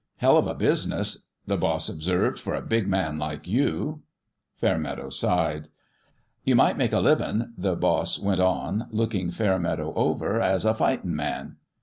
" Hell of a business," the boss observed, "for a big man like you." Fairmeadow sighed. " You might make a livin'," the boss went on looking Fairmeadow over, "as a fightin' man."